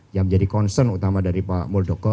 yang menjadi concern utama dari pak muldoko